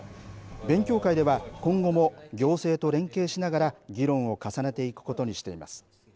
勉強会では今後も、行政と連携しながら議論を重ねていくことにしています。